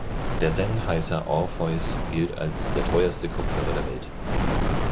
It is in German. Der Sennheiser Orpheus gilt als der teuerste Kopfhörer der Welt.